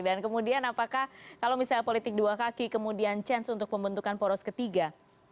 dan kemudian apakah kalau misalnya politik dua kaki kemudian chance untuk pembentukan poros ketiga